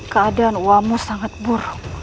keadaan uamu sangat buruk